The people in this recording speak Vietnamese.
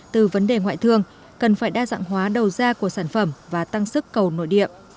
từ vấn đề ngoại thương cần phải đa dạng hóa đầu ra của sản phẩm và tăng sức cầu nội địa